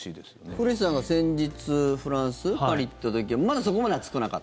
古市さんが先日フランス・パリに行った時はまだそこまで暑くなかった？